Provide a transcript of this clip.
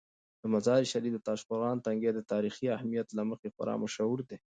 د مزار شریف د تاشقرغان تنګي د تاریخي اهمیت له مخې خورا مشهور دی.